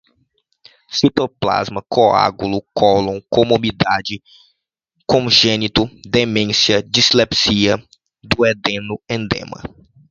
citoplasma, coágulo, cólon, comorbidade, congênito, demência, dislipidemia, duodeno, edema